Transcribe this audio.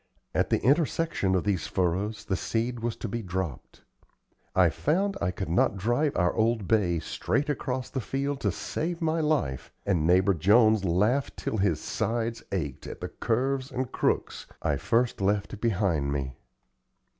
At the intersection of these furrows the seed was to be dropped. I found I could not drive our old bay straight across the field to save my life, and neighbor Jones laughed till his sides ached at the curves and crooks I first left behind me.